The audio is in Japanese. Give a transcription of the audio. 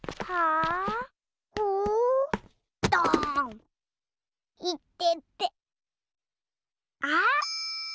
あっ！